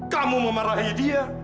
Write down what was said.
kamu memarahi dia